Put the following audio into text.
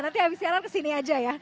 nanti habis siaran ke sini aja ya